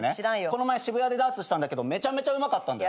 この前渋谷でダーツしたんだけどめちゃめちゃうまかったんだよ。